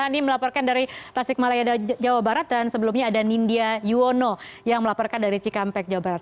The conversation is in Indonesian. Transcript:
ini melaporkan dari tasik malaya jawa barat dan sebelumnya ada nindya yuwono yang melaporkan dari cikampek jawa barat